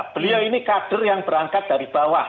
beliau ini kader yang berangkat dari bawah